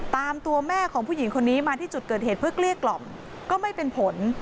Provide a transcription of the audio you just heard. ตามตัวแม่ของผู้หญิงคนนี้มาที่จุดเกิดเหตุเพื่อเกลี้ยกล่อมก็ไม่เป็นผล